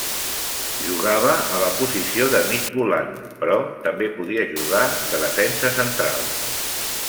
Jugava a la posició de mig volant, però també podia jugar de defensa central.